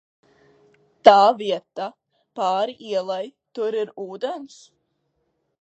Tā vieta pāri ielai, tur ir ūdens?